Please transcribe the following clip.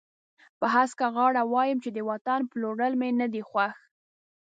په هسکه غاړه وایم چې د وطن پلورل مې نه دي خوښ.